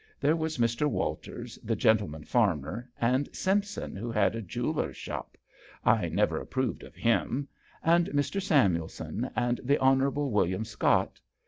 There was Mr. Walters, the gentleman farmer, and Simpson who had a jeweller's shop I never approved of him ! and Mr. Samuelson, and the Hon. William Scott.